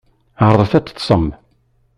Ɛerḍet ad teṭṭsem.